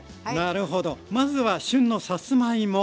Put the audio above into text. なるほどまずは旬のさつまいも。